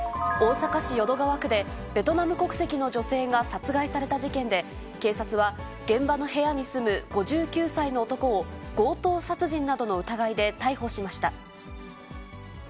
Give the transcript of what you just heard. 大阪市淀川区で、ベトナム国籍の女性が殺害された事件で、警察は現場の部屋に住む５９歳の男を強盗殺人などの疑いで逮捕しました。